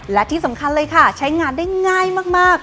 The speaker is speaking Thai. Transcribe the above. และที่สำคัญเลยค่ะใช้งานได้ง่ายมาก